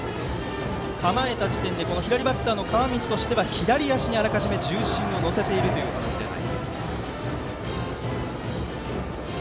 構えた時点で左バッターの川道としては左足にあらかじめ重心を乗せているというお話です。